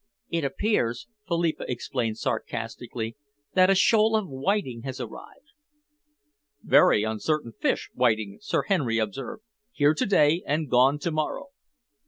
"It appears," Philippa explained sarcastically, "that a shoal of whiting has arrived." "Very uncertain fish, whiting," Sir Henry observed, "here to day and gone to morrow."